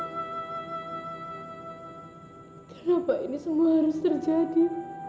kenapa ini semua harus terjadi